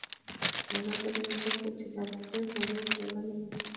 آزاد تجارت مهم دی ځکه چې د اقلیم بدلون پر وړاندې مرسته کوي.